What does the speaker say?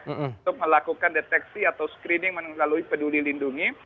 untuk melakukan deteksi atau screening melalui peduli lindungi